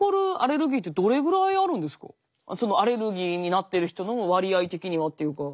そのアレルギーになってる人の割合的にはっていうか。